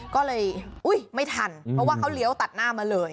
ก็เลยไม่ทันเพราะว่าเขาเลี้ยวตัดหน้ามาเลย